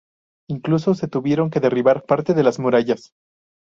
Incluso se tuvieron que derribar parte de las murallas.